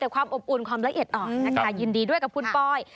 ความอบอุ่นความละเอียดอ่อนนะคะยินดีด้วยกับคุณปอย